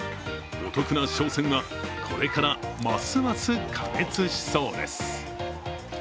お得な商戦はこれからますます過熱しそうです。